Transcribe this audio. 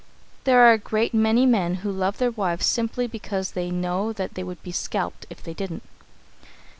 There are a great many men who love their wives simply because they know they would be scalped if they didn't.